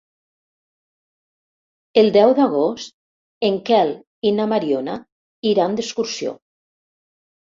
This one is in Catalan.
El deu d'agost en Quel i na Mariona iran d'excursió.